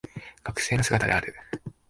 学生の姿である